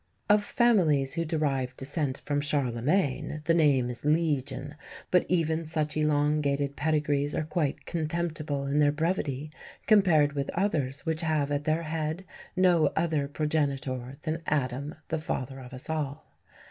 Of families who derive descent from Charlemagne the name is legion; but even such elongated pedigrees are quite contemptible in their brevity compared with others which have at their head no other progenitor than Adam, the father of us all.